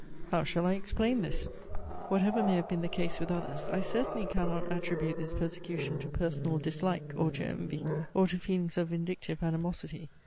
How shall I explain this? Whatever may have been the case with others, I certainly cannot attribute this persecution to personal dislike, or to envy, or to feelings of vindictive animosity.